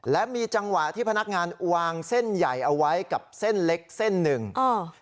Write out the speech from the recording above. และมีจังหวะที่พนักงานวางเส้นใหญ่เอาไว้กับเส้นเล็กเส้นหนึ่งอ่า